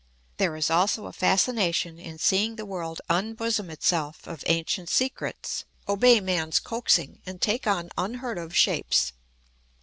There is also a fascination in seeing the world unbosom itself of ancient secrets, obey man's coaxing, and take on unheard of shapes.